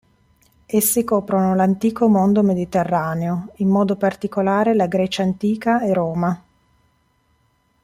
Essi coprono l'antico mondo mediterraneo, in modo particolare la Grecia antica e Roma.